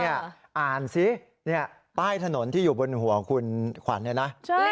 นี่ป้าวินาฬิกาป้ายถนนที่อยู่บนหัวของคุณขวัญเลยนะ